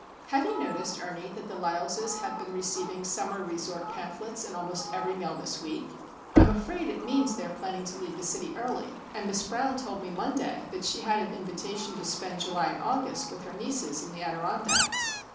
Have you noticed, Ernie, that the Lysles have been receiving summer resort pamphlets in almost every mail this week? I am afraid it means they are planning to leave the city early,—and Miss Brown told me Monday that she had an invitation to spend July and August with her nieces in the Adirondacks.